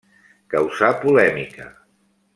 Causà polèmica.